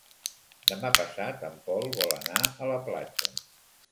Demà passat en Pol vol anar a la platja.